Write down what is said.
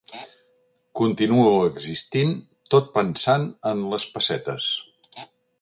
Continuo existint tot pensant en les pessetes.